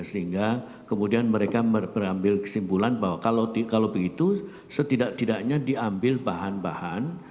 sehingga kemudian mereka mengambil kesimpulan bahwa kalau begitu setidak tidaknya diambil bahan bahan